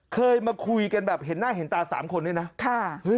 เคยมาคุยกันแบบเห็นหน้าเห็นตา๓คนด้วยนะ